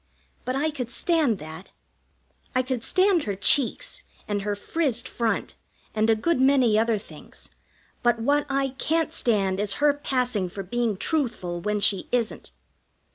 But I could stand that. I could stand her cheeks, and her frizzed front, and a good many other things; but what I can't stand is her passing for being truthful when she isn't.